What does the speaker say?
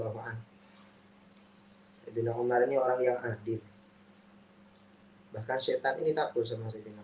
hai dan umar ini orang yang hadir hai bahkan syaitan ini takut sama sedih